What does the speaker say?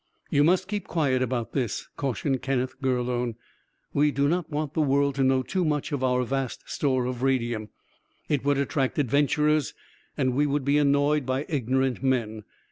"You must keep quiet about this," cautioned Kenneth Gurlone. "We do not want the world to know too much of our vast store of radium. It would attract adventurers and we would be annoyed by ignorant men.